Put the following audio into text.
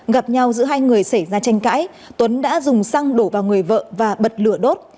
gặp nhau giữa hai người xảy ra tranh cãi tuấn đã dùng xăng đổ vào người vợ và bật lửa đốt